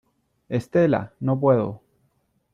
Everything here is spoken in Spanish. estela , no puedo .